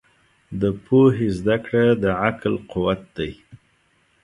د پوهې زده کړه د عقل قوت دی.